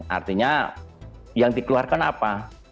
artinya yang dikeluarkan apa